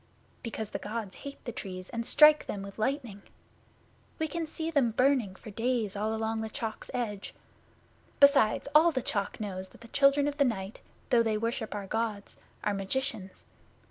'Because the Gods hate the Trees and strike them with lightning. We can see them burning for days all along the Chalk's edge. Besides, all the Chalk knows that the Children of the Night, though they worship our Gods, are magicians.